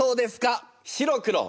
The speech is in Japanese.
白黒。